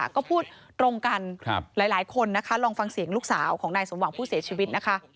ก็พูดตรงกันหลายคนนะคะลองฟังเสียงลูกสาวของนายสมหวังผู้เสียชีวิตนะคะ